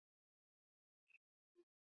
唐朝官员。